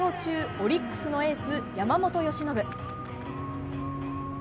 オリックスのエース、山本由伸。